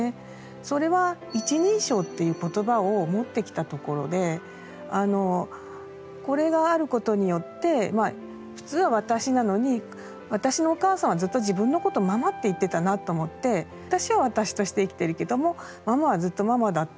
それは「一人称」っていう言葉を持ってきたところでこれがあることによって普通は「私」なのに私のお母さんはずっと自分のことを「ママ」って言ってたなと思って私は私として生きてるけどもママはずっとママだった。